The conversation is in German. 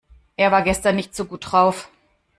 Er war gestern nicht so gut drauf.